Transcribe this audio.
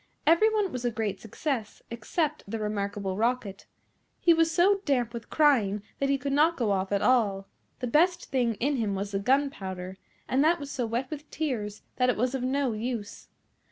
Every one was a great success except the Remarkable Rocket. He was so damp with crying that he could not go off at all. The best thing in him was the gunpowder, and that was so wet with tears that it was of no use.